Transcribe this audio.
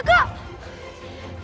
kuburanmu adalah di sini